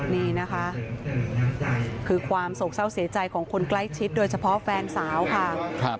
นี่นะคะคือความโศกเศร้าเสียใจของคนใกล้ชิดโดยเฉพาะแฟนสาวค่ะ